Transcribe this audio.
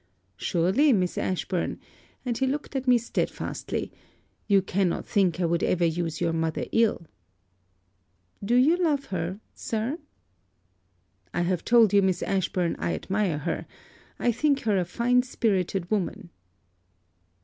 'Surely, Miss Ashburn,' and he looked at me stedfastly, 'you cannot think I would ever use your mother ill.' 'Do you love her, sir?' 'I have told you, Miss Ashburn, I admire her I think her a fine spirited woman.'